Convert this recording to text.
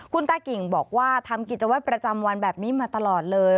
คุณตากิ่งบอกว่าทำกิจวัตรประจำวันแบบนี้มาตลอดเลย